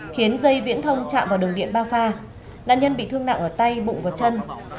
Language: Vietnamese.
khiến dây viễn thông chạm vào đường điện ba pha nạn nhân bị thương nặng ở tay bụng và chân